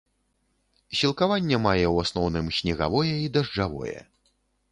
Сілкаванне мае ў асноўным снегавое і дажджавое.